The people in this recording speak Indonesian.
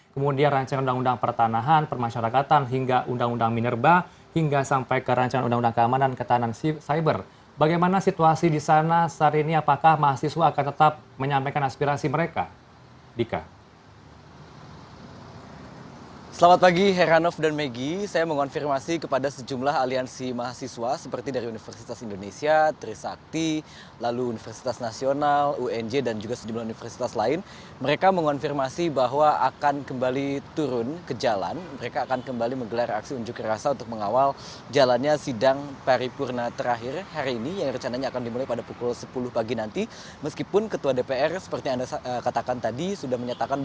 kemudian rancangan undang undang pertanahan permasyarakatan hingga undang undang minerba